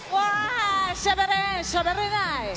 しゃべれん、しゃべれない！